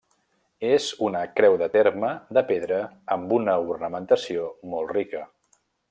És una creu de terme de pedra amb una ornamentació molt rica.